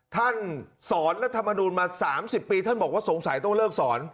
ท่านสอนรัฐมนูลมา๓๐ปีท่านบอกว่าสงสัยต้องเลิกสอน